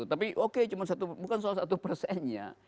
tapi oke bukan soal satu persennya